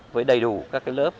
với đầy đủ các lớp có thể ngăn dịch